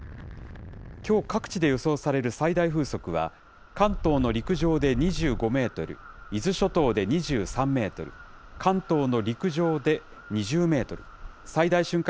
きょう各地で予想される最大風速は、関東の陸上で２５メートル、伊豆諸島で２３メートル、関東の陸上で２０メートル、最大瞬間